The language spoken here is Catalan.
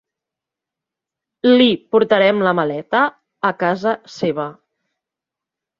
Li portarem la maleta a casa seva.